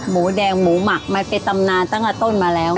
หมูแดงหมูหมักมันเป็นตำนานตั้งแต่ต้นมาแล้ว